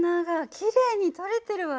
きれいに撮れてるわよ。